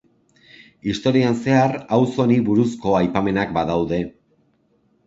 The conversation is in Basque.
Historian zehar auzo honi buruzko aipamenak badaude.